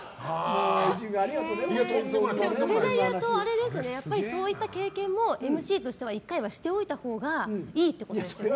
それでいうとそういった経験もＭＣとしては１回はしておいたほうがいいってことですよね。